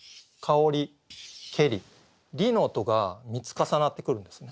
「り」の音が３つ重なってくるんですね。